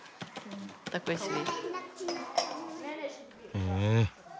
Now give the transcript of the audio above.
へえ。